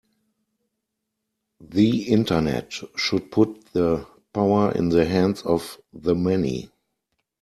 The Internet should put the power in the hands of the many.